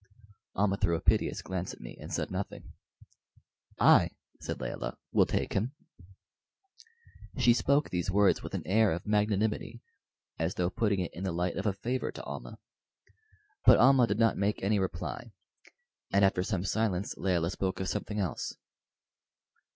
Almah threw a piteous glance at me and said nothing. "I," said Layelah, "will take him." She spoke these words with an air of magnanimity, as though putting it in the light of a favor to Almah; but Almah did not make any reply, and after some silence Layelah spoke of something else.